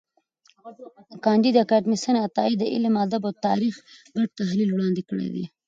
کانديد اکاډميسن عطایي د علم، ادب او تاریخ ګډ تحلیل وړاندي کړی دی.